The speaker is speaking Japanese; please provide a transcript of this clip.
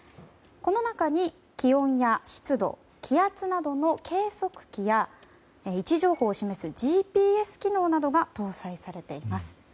この中に気温や湿度、気圧などの計測器や位置情報を示すＧＰＳ機能などが搭載されています。